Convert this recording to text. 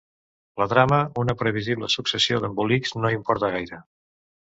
La trama, una previsible successió d'embolics, no importa gaire.